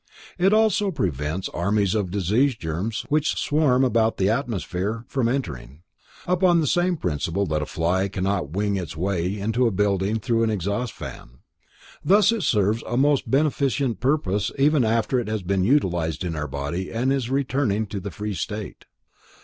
It also prevents armies of disease germs, which swarm about in the atmosphere, from entering; upon the same principle that a fly cannot wing its way into a building through the exhaust fan. Thus it serves a most beneficent purpose even after it has been utilized in our body and is returning to the free state.